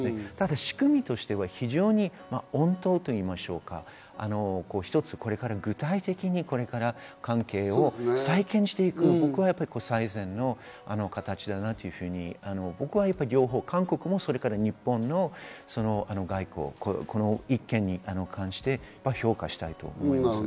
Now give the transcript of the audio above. ただ仕組みとしては非常に穏当と言いますか、一つこれから具体的に関係を再建していく最善の形だなと僕は両方、韓国も日本の外交、この一件に関して評価したいと思います。